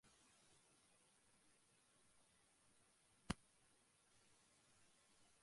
এসব প্রতিষ্ঠান একদিকে যোগ্য কর্মী-সংকটে ভুগবে, অন্যদিকে ভোক্তার সংখ্যাও কমে যাবে।